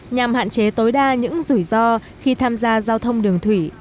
nhằm hạn chế tối đa những rủi ro khi tham gia giao thông đường thủy